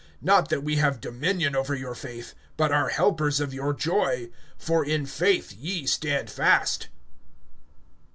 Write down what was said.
(24)Not that we have dominion over your faith, but are helpers of your joy; for in faith ye stand fast.